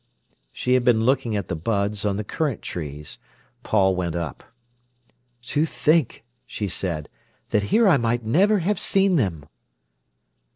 She had been looking at the buds on the currant trees. Paul went up. "To think," she said, "that here I might never have seen them!"